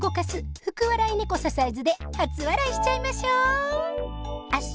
福笑いネコササイズで初笑いしちゃいましょ。